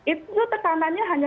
itu tekanannya hanya